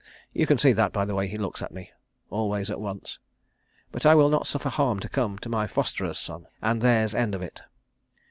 You can see that by the way he looks at me all ways at once. But I will not suffer harm to come to my fosterer's son and there's end of it."